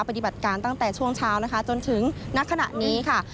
ปฏิบัติการตั้งแต่ช่วงเช้านะคะจนถึงณขณะนี้ค่ะ